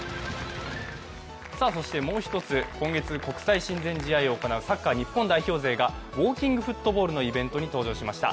そしてもう１つ、今月国際親善試合を行うサッカー日本代表勢がウォーキングフットボールのイベントに登場しました。